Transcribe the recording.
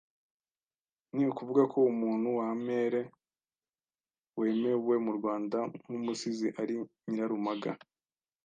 Ni ukuvuga ko umuntu wa mere wemewe mu Rwanda nk’umusizi ari Nyirarumaga